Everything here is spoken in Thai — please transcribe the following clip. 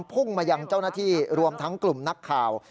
พุ่งมายังเจ้าหน้าที่รวมทั้งกลุ่มนักข่าว